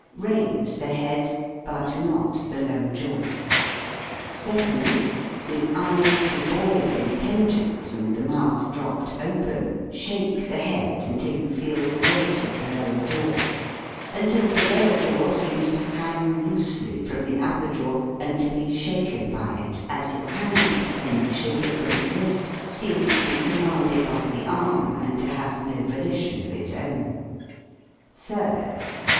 Raise the head, but not the lower jaw: Second. With eyes devoid of intelligence and the mouth dropped open, shake the head until you feel the weight of the lower jaw until the lower jaw seems to hang loosely from the upper jaw and to be shaken by it, as your hand, when you shake it from the wrist, seems to be commanded by the arm, and to have no volition of its own. Third.